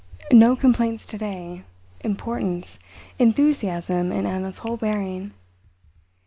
No complaints to day. Importance—enthusiasm in Anna's whole bearing.